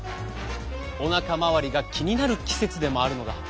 おなか回りが気になる季節でもあるのだ。